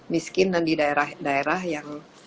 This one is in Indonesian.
miskin dan di daerah daerah yang